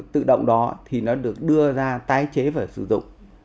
tự động đó thì nó được đưa ra tái chế và sử dụng